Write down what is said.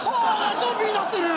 ゾンビになってる！